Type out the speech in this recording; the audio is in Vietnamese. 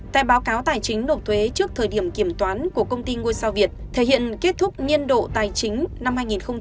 tại báo cáo tài chính nộp thuế trước thời điểm kiểm toán của công ty ngôi sao việt thể hiện kết thúc nhiên độ tài chính năm hai nghìn hai mươi